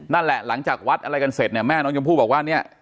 หลังจากวัดอะไรกันเสร็จเนี่ยแม่น้องชมพู่บอกว่าเนี่ย